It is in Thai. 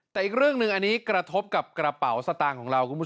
แต่อีกเรื่องหนึ่งอันนี้กระทบกับกระเป๋าสตางค์ของเราคุณผู้ชม